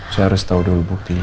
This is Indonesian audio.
saya harus tahu dulu buktinya